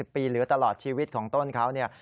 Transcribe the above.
ปีเหลือตลอดชีวิตของต้นเขาเนี่ย